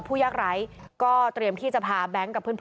พูด์ยากร้ายก็เตรียมจากที่ที่จะพาแบงค์กับ